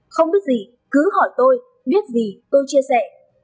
không biết gì cứ hỏi tôi biết gì tôi chia sẻ